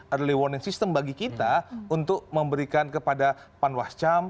early warning system bagi kita untuk memberikan kepada panwascam